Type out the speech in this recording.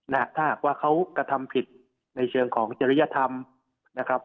นะฮะถ้าหากว่าเขากระทำผิดในเชิงของจริยธรรมนะครับ